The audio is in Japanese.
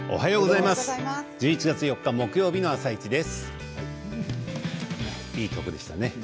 いい曲でしたね。